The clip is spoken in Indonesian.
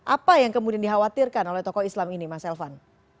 apa yang kemudian dikhawatirkan oleh tokoh islam ini mas elvan